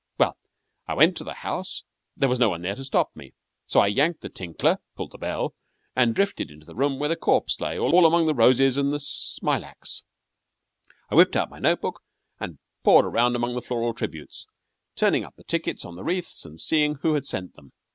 Well, I went to the house. There was no one there to stop me, so I yanked the tinkler pulled the bell and drifted into the room where the corpse lay all among the roses and smilax. I whipped out my note book and pawed around among the floral tributes, turn ing up the tickets on the wreaths and seeing who had sent them.